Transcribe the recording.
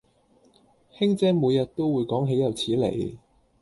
卿姐每日都會講豈有此理